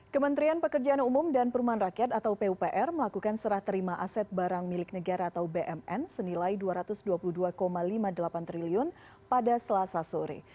kementerian pekerjaan umum dan perumahan rakyat atau pupr melakukan serah terima aset barang milik negara atau bmn senilai rp dua ratus dua puluh dua lima puluh delapan triliun pada selasa sore